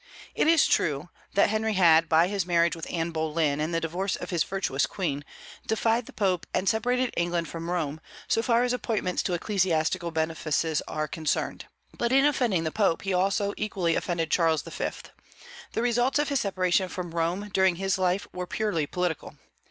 It is true that Henry had, by his marriage with Anne Boleyn and the divorce of his virtuous queen, defied the Pope and separated England from Rome, so far as appointments to ecclesiastical benefices are concerned. But in offending the Pope he also equally offended Charles V. The results of his separation from Rome, during his life, were purely political.